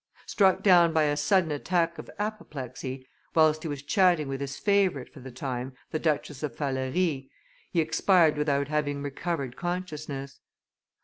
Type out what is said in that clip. Struck down by a sudden attack of apoplexy, whilst he was chatting with his favorite for the time, the Duchess of Falarie, he expired without having recovered consciousness.